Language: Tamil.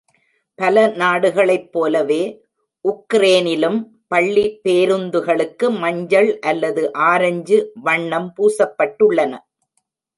பல நாடுகளைப் போலவே, உக்ரேனிலும், பள்ளி பேருந்துகளுக்கு மஞ்சள் அல்லது ஆரஞ்சு வண்ணம் பூசப்பட்டுள்ளன.